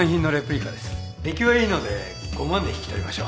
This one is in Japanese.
出来はいいので５万で引き取りましょう。